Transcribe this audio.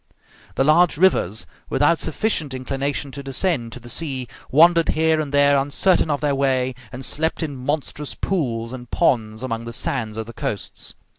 The large rivers, without sufficient inclination to descend to the sea, wandered here and there uncertain of their way, and slept in monstrous pools and ponds among the sands of the coasts.